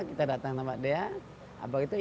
kita datang ke tempat dia